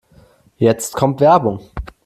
Jetzt kommt Werbung.